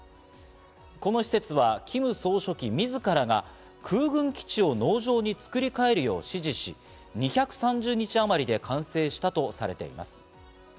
この施設はキム総書記自らが空軍基地を農場に作り替えるよう指示し、２３０日あまりで完成したとされています。